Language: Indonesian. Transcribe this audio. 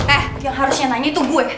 eh yang harusnya nanya tuh gue